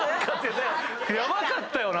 ヤバかったよな！